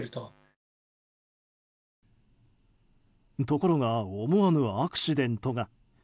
ところが思わぬアクシデントが。